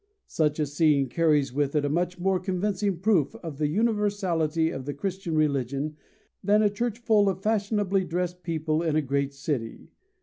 Such a scene carries with it a much more convincing proof of the universality of the Christian religion than a church full of fashionably dressed people in a great city.